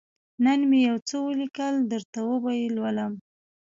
_نن مې يو څه ولېکل، درته وبه يې لولم.